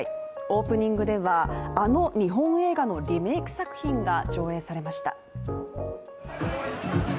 オープニングでは、あの日本映画のリメイク作品が上映されました。